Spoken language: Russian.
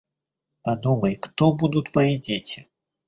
Подумай, кто будут мои дети?